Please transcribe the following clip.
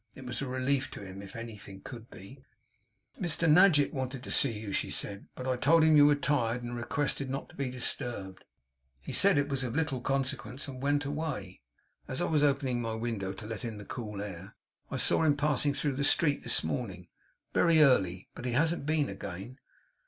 It was a relief to him, if anything could be. 'Mr Nadgett wanted to see you,' she said, 'but I told him you were tired, and had requested not to be disturbed. He said it was of little consequence, and went away. As I was opening my window to let in the cool air, I saw him passing through the street this morning, very early; but he hasn't been again.